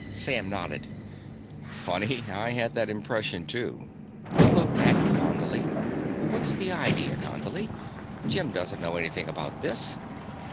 Sam nodded. "Funny I had that impression, too." He looked at Condley. "What's the idea, Condley? Jim doesn't know anything about this."